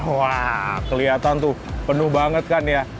wah kelihatan tuh penuh banget kan ya